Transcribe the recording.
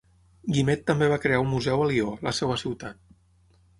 Guimet també va crear un museu a Lió, la seva ciutat.